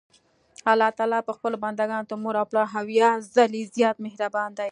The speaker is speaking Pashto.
الله تعالی په خپلو بندګانو تر مور او پلار اويا ځلي زيات مهربان دي.